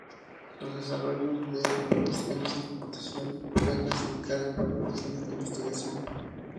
Los desarrollos de la neurociencia computacional se pueden clasificar en varias líneas de investigación.